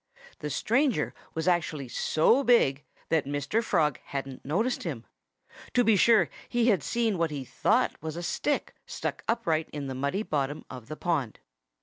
The stranger was actually so big that Mr. Frog hadn't noticed him. To be sure, he had seen what he thought was a stick stuck upright in the muddy bottom of the pond.